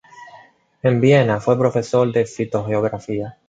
En Viena fue profesor de fitogeografía.